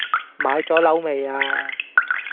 買左樓未呀